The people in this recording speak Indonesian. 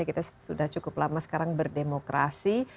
jadi kita sudah cukup lama sekarang berdemokrasi